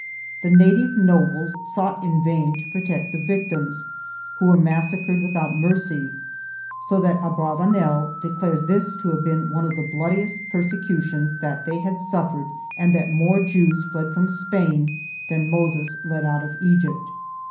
The native nobles sought in vain to protect the victims, who were massa cred without mercy, so that Abravanel declares this to have been one of the bloodiest persecutions that they had suffered and that more Jews fled from Spain than Moses led out of Egypt.